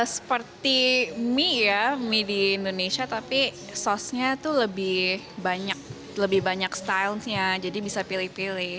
seperti mie ya mie di indonesia tapi sosnya itu lebih banyak lebih banyak stylenya jadi bisa pilih pilih